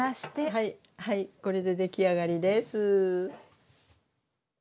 はいこれで出来上がりです。